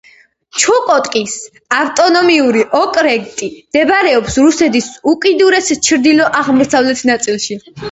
ჩუკოტკის ავტონომიური ოკრუგი მდებარეობს რუსეთის უკიდურეს ჩრდილო-აღმოსავლეთ ნაწილში.